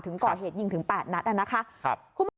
ถึงก่อเหตุยิ่งถึง๘นัดอ่ะนะคะ